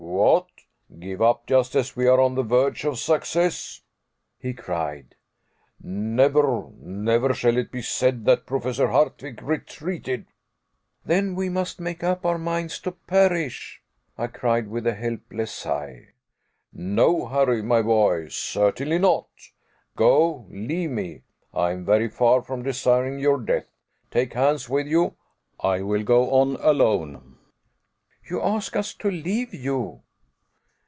"What! Give up just as we are on the verge of success?" he cried. "Never, never shall it be said that Professor Hardwigg retreated." "Then we must make up our minds to perish," I cried with a helpless sigh. "No, Harry, my boy, certainly not. Go, leave me, I am very far from desiring your death. Take Hans with you. I will go on alone." "You ask us to leave you?"